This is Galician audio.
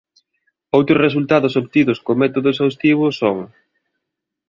Outros resultados obtidos co método exhaustivo son